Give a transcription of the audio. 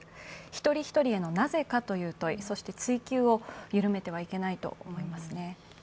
一人一人への、なぜかという問い、そして追及を緩めてはならないと思いますね。